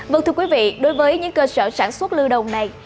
vâng thưa quý vị đối với những cơ sở sản xuất lưu đồng này